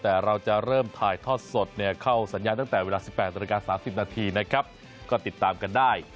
แต่เราจะเริ่มถ่ายทอดสดเข้าสัญญาณตั้งแต่เวลา๑๘นาฬิกา๓๐นาทีนะครับก็ติดตามกันได้